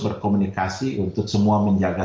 berkomunikasi untuk semua menjaga